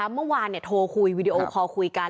เมื่อวานโทรคุยวีดีโอคอลคุยกัน